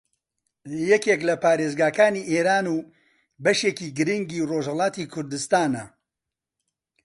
یەکێک لە پارێزگاکانی ئێران و بەشێکی گرینگی ڕۆژھەڵاتی کوردستانە